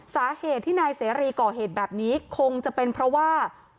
สาเหตุที่นายเสรีก่อเหตุแบบนี้คงจะเป็นเพราะว่า